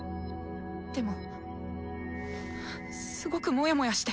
でもすごくモヤモヤして。